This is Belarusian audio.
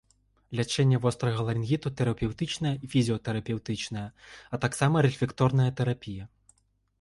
Лячэнне вострага ларынгіту тэрапеўтычнае і фізіятэрапеўтычнае, а таксама рэфлекторная тэрапія.